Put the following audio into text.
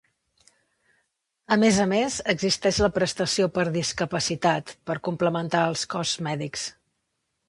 A més a més, existeix la prestació per discapacitat, per complementar els costs mèdics.